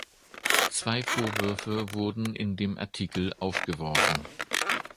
Zwei Vorwürfe wurden in dem Artikel aufgeworfen.